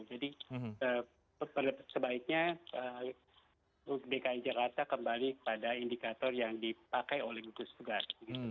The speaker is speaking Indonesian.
jadi sebaiknya bki jakarta kembali kepada indikator yang dipakai oleh gugus tugas